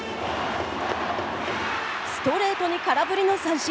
ストレートに空振りの三振。